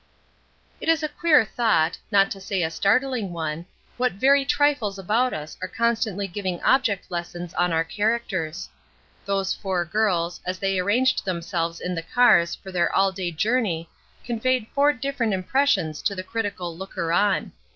It is a queer thought, not to say a startling one, what very trifles about us are constantly giving object lessons on our characters. Those four girls, as they arranged themselves in the cars for their all day journey conveyed four different impressions to the critical looker on.